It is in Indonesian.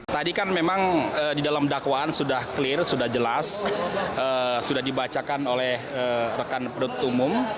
tadi kan memang di dalam dakwaan sudah clear sudah jelas sudah dibacakan oleh rekan penutup umum